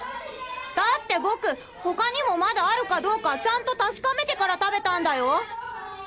だって僕他にもまだあるかどうかちゃんと確かめてから食べたんだよ。